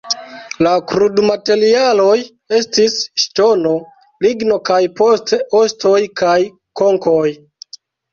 La krudmaterialoj estis ŝtono, ligno kaj poste ostoj kaj konkoj.